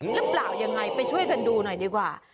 หรือเปล่ายังไงไปช่วยกันดูหน่อยดีกว่า